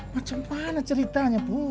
macam mana ceritanya pur